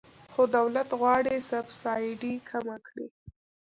خو دولت غواړي سبسایډي کمه کړي.